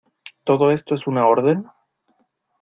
¿ todo esto es una orden?